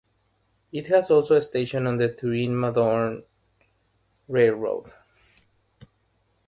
It has also a station on the Turin-Modane railroad.